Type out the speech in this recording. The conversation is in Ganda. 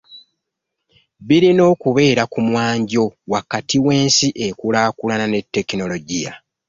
Birina okubeera ku mwanjo wakati w'ensi enkulaakulana ne Tekinologiya.